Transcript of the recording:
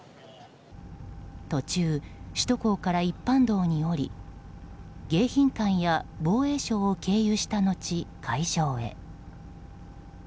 途中、首都高から一般道に降り迎賓館や防衛省を経由したのち会場へ。